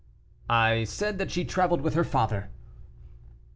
"I said that she traveled with her father."